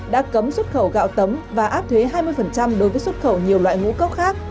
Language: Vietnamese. đã cấm xuất khẩu gạo tấm và áp thuế hai mươi đối với xuất khẩu nhiều loại ngũ cốc khác